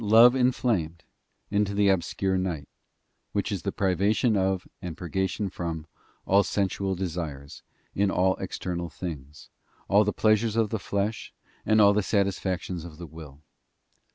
love inflamed, into the obscure night, which is the privation of, and purgation from, all sensual desires, in all external things; all the pleasures of the flesh, and all the satisfactions of the will.